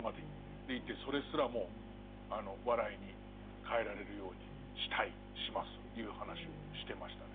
でいてそれすらも笑いに変えられるようにしたいしますという話をしてましたね。